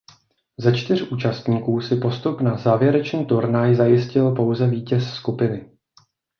Ze čtyř účastníků si postup na závěrečný turnaj zajistil pouze vítěz skupiny.